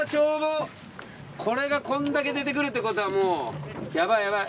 これがこんだけ出てくるってことはもうヤバいヤバい！